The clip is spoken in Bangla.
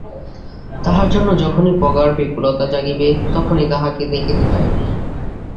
তাঁহার জন্য যখনই প্রগাঢ় ব্যাকুলতা জাগিবে, তখনই তাঁহাকে দেখিতে পাইব।